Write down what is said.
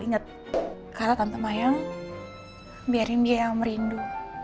ingat kata tante mayang biarin dia yang merindu